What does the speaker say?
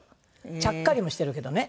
ちゃっかりもしてるけどね。